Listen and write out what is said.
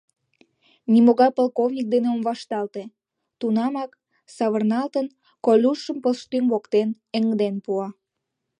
— Нимогай полковник дене ом вашталте! — тунамак, савырналтын, Колюшым пылыштӱҥ воктен эҥден пуа.